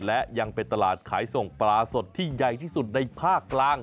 และยังเป็นตลาดขายส่งปลาสดที่ใหญ่ที่สุดในภาคกลาง